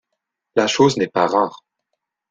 La chose n’est pas rare.